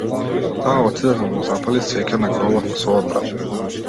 Таа отиде да му запали свеќа на гробот на својот брат.